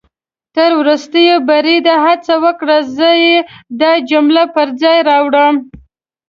تر ورستي بریده هڅه وکړه، زه يې دا جمله پر ځای راوړم